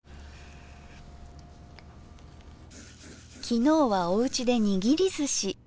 昨日はおうちでにぎりずし。